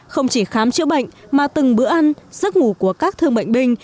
không chỉ khám chữa bệnh mà từng bữa ăn giấc ngủ của các thương bệnh binh